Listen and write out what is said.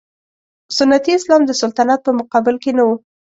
سنتي اسلام د سلطنت په مقابل کې نه و.